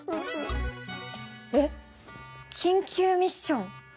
えっ？緊急ミッション？